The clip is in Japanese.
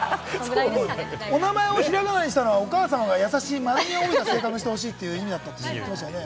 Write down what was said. お名前をひらがなにしたのはお母さんは優しい、丸みを帯びた性格にしてほしいとおっしゃってましたよね？